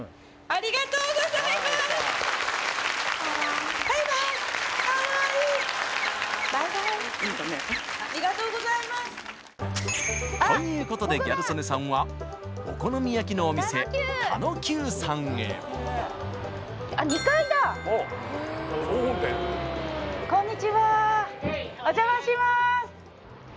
ありがとうございますということでギャル曽根さんはあっ２階だこんにちはお邪魔します